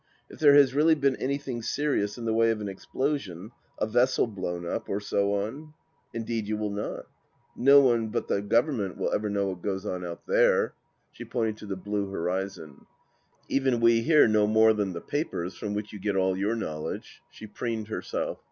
" If there has really been anything serious in the way of an explosion — a vessel blown up, or so on ?"" Indeed you will not. No one but the Government will THE LAST DITCH 219 ever know what goes on out there." She pointed to the blue horizon. " Even we here know more than the papers from which you get all your knowledge." She preened herself.